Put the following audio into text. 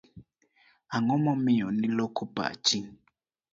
Ang'o momiyo ni loko pachi?